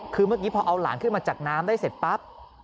คือเมื่อกี้พอเอาหลานขึ้นมาจากน้ำได้เสร็จปั๊บ